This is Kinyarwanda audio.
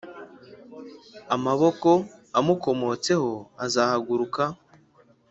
Amaboko amukomotseho azahaguruka